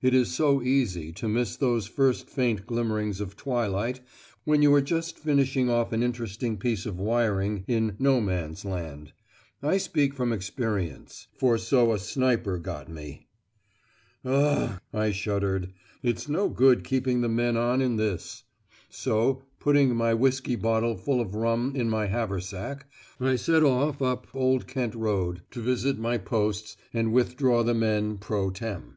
It is so easy to miss those first faint glimmerings of twilight when you are just finishing off an interesting piece of wiring in "No Man's Land." I speak from experience. For so a sniper got me. "U u u gh," I shuddered, "it's no good keeping the men on in this"; so, putting my whiskey bottle full of rum in my haversack, I set off up Old Kent Road to visit my posts and withdraw the men pro tem.